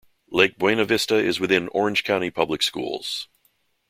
Lake Buena Vista is within Orange County Public Schools.